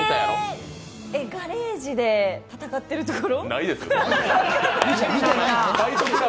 ガレージで戦ってるところ？